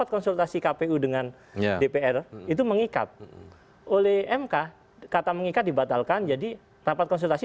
konsultasi kpu dengan dpr itu mengikat oleh mk kata mengikat dibatalkan jadi rapat konsultasi